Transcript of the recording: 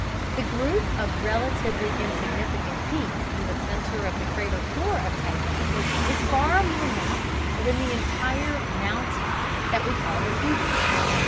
The group of relatively insignificant peaks in the center of the crater floor of Tycho is far more massive than the entire mountain that we call Vesuvius.